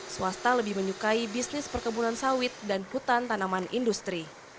swasta lebih menyukai bisnis perkebunan sawit dan hutan tanaman industri